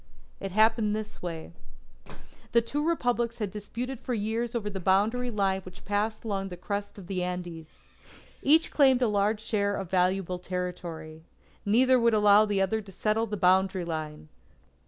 It happened this way: The two Republics had disputed for years over the boundary line which passed along the crest of the Andes. Each claimed a large share of valuable territory. Neither would allow the other to settle the boundary line.